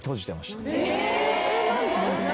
何で？